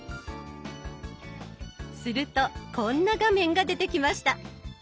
するとこんな画面が出てきました。